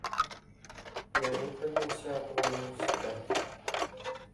Я выправіўся ва ўніверсітэт.